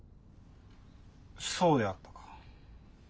そうであったか。